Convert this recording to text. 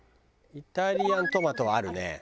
イタリアントマトはあるね。